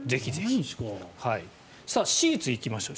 シーツに行きましょう。